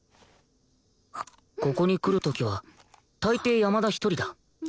ここに来る時は大抵山田一人だ